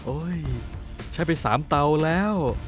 ใช้ไป๓เตาแล้ว